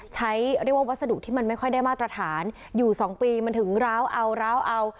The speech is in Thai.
เรียกว่าวัสดุที่มันไม่ค่อยได้มาตรฐานอยู่๒ปีมันถึงร้าวเอาร้าวเอา